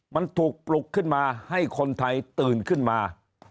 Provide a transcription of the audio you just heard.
มันถูกปลุกขึ้นมาให้คนไทยตื่นขึ้นมา